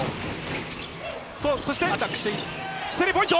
そしてスリーポイント？